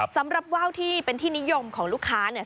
สำหรับว่าวที่เป็นที่นิยมของลูกค้าเนี่ย